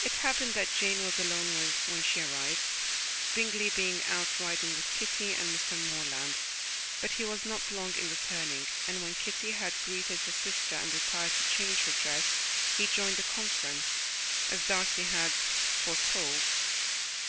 It happened that Jane was alone when she arrived, Bingley being out riding with Kitty and Mr. Morland; but he was not long in returning, and when Kitty had greeted her sister, and retired to change her dress, he joined the conference, as Darcy had foretold.